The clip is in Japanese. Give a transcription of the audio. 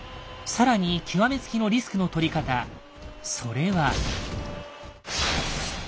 更に極め付きのリスクのとり方それは。ああ。